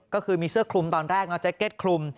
ก็คือมีเสื้อคลุมตอนแรกเอาแจ็คเก็ตคลุม